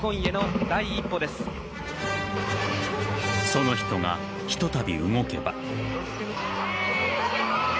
その人がひとたび動けば。